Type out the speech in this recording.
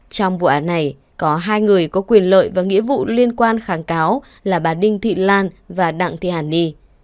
trong vụ án này có hai người có quyền lợi và nghĩa vụ liên quan kháng cáo là bà đinh thị lan và đặng thị hàn ni